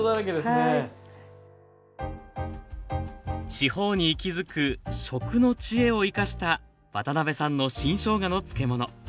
地方に息づく「食の知恵」を生かした渡辺さんの新しょうがの漬物。